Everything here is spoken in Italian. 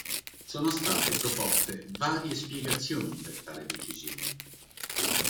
Sono state proposte varie spiegazioni per tale decisione.